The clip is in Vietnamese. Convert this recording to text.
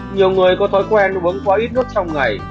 nhiều người có thói quen uống quá ít nước trong ngày